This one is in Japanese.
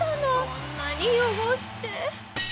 こんなに汚して。